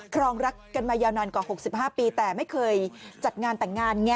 รองรักกันมายาวนานกว่า๖๕ปีแต่ไม่เคยจัดงานแต่งงานไง